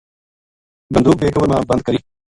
بندوق بے کور ما بند کری۔